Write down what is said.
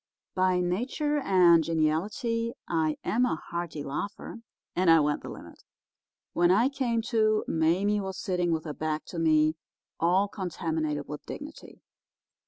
By nature and geniality I am a hearty laugher, and I went the limit. When I came to, Mame was sitting with her back to me, all contaminated with dignity.